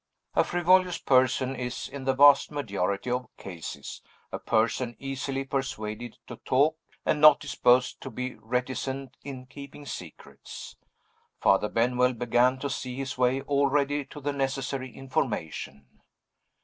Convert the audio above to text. A frivolous person is, in the vast majority of cases, a person easily persuaded to talk, and not disposed to be reticent in keeping secrets. Father Benwell began to see his way already to the necessary information.